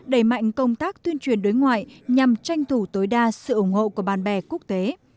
đẩy mạnh công tác tuyên truyền đối ngoại nhằm tranh thủ tối đa sự ủng hộ của bạn bè quốc tế